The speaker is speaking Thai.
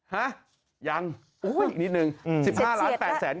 ห้ะยังอีกนิดนึง